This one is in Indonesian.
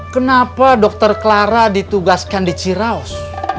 kenapa dokter clara ditugaskan di ciraus